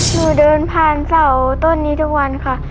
หนูเดินผ่านเสาต้นนี้ทุกวันค่ะ